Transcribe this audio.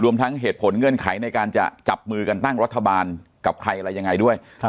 ทั้งเหตุผลเงื่อนไขในการจะจับมือกันตั้งรัฐบาลกับใครอะไรยังไงด้วย